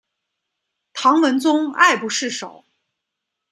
唐文宗爱不释手。